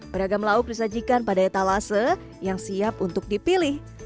beragam lauk disajikan pada etalase yang siap untuk dipilih